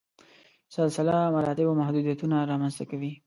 سلسله مراتبو محدودیتونه رامنځته کوي.